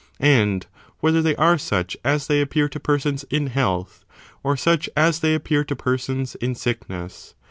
and whether they are such as they appear to persons in health, or such as they appear to persons in sickness?